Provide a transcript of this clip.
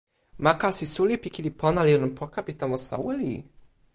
ma kasi suli pi kili pona li lon poka pi tomo soweli!